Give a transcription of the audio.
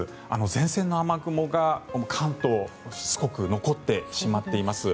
前線の雨雲が関東しつこく残ってしまっています。